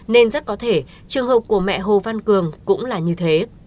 nên rất có thể trường hợp của mẹ hồ văn cường cũng là như thế